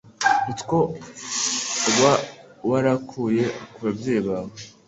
utwo uba warakuye ku babyeyi bawe